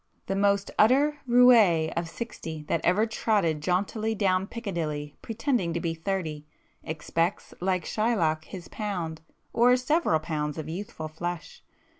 The most utter roué of sixty that ever trotted jauntily down Piccadilly pretending to be thirty, expects like Shylock his 'pound' or several pounds of youthful flesh.